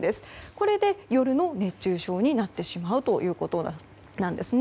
これで、夜の熱中症になってしまうということです。